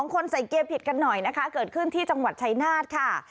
คนใส่เกียร์ผิดกันหน่อยนะคะเกิดขึ้นที่จังหวัดชายนาฏค่ะ